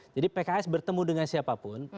jadi pks bertemu dengan siapapun